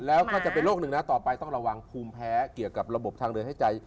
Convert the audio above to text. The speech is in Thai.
แล้วก็จะเป็นโรคหนึ่งนะต่อไปต้องระวังภูมิแพ้เกี่ยวกับระบบทางเดินให้ใจ